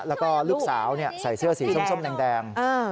แล้วก็ลูกสาวใส่เสื้อสีส้มแดง